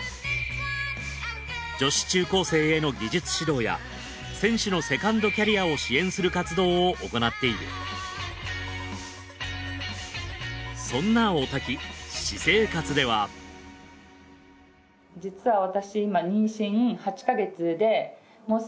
女子中高生への技術指導や選手のセカンドキャリアを支援する活動を行っているそんな大滝私生活では実は私今。